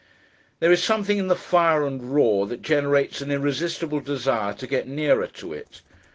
There is something in the fire and roar, that generates an irresistible desire to get nearer to it.